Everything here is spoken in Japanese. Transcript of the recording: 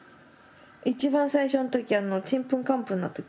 一番最初の時ちんぷんかんぷんの時？